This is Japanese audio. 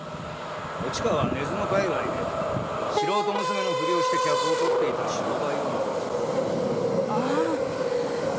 おちかは根津の界隈で素人娘のふりをして客を取っていた商売女です。